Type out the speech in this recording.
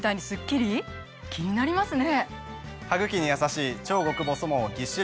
気になりますね！